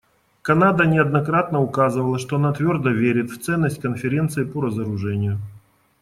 Канада неоднократно указывала, что она твердо верит в ценность Конференции по разоружению.